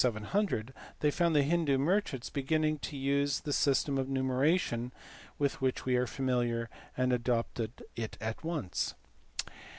700, they found the Hindoo merchants beginning to use the system of numeration with which we are familiar and adopted it at once.